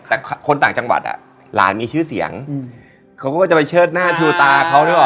แต่คนต่างจังหวัดหลานมีชื่อเสียงเขาก็จะไปเชิดหน้าชูตาเขา